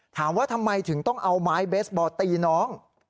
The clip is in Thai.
ถามว่าทำไมถึงต้องเอาไม้เบสบอลตีน้อง